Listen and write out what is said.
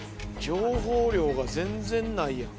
情報量が全然ないやん。